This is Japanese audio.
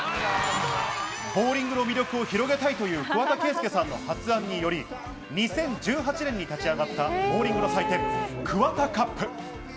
ボウリングの魅力を広げたいという桑田佳祐さんの発案により２０１８年に立ち上がったボウリングの祭典・ＫＵＷＡＴＡＣＵＰ。